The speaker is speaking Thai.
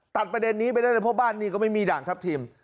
ประเด็นนี้ไปได้เลยเพราะบ้านนี้ก็ไม่มีด่างทัพทิม